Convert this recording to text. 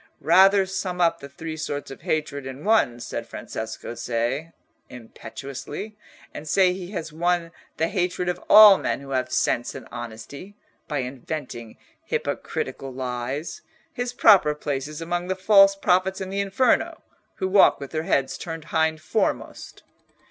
"Rather sum up the three sorts of hatred in one," said Francesco Cei, impetuously, "and say he has won the hatred of all men who have sense and honesty, by inventing hypocritical lies. His proper place is among the false prophets in the Inferno, who walk with their heads turned hind foremost."